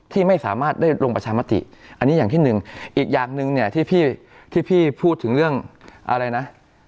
ที่ไม่สามารถได้ลงประชามติอันนี้อย่างที่หนึ่งอีกอย่างหนึ่งเนี่ยที่พี่พูดถึงเรื่องอะไรนะ